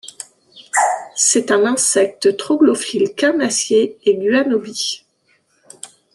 C'est un insecte troglophile carnassier et guanobie.